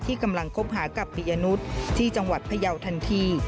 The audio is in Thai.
กำลังคบหากับปียนุษย์ที่จังหวัดพยาวทันที